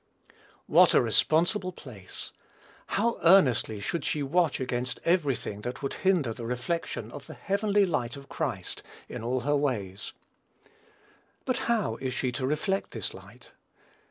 What a responsible place! How earnestly should she watch against every thing that would hinder the reflection of the heavenly light of Christ, in all her ways! But how is she to reflect this light?